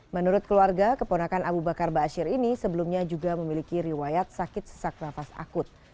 menurut keluarga keponakan abu bakar ⁇ asyir ⁇ ini sebelumnya juga memiliki riwayat sakit sesak nafas akut